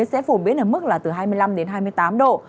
sẽ phổ biến ở mức là từ hai mươi năm đến hai mươi tám độ